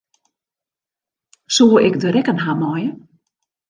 Soe ik de rekken ha meie?